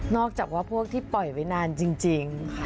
จากว่าพวกที่ปล่อยไว้นานจริง